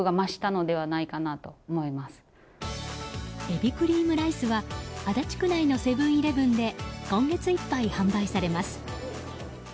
えびクリームライスは足立区内のセブン‐イレブンで今月いっぱい販売されます。